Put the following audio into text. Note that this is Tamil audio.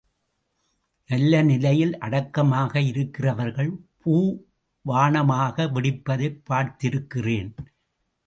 நல்ல நிலையில் அடக்கமாக இருக்கிறவர்கள் பூவாணமாக வெடிப்பதைப் பார்த்திருக்கிறேன்.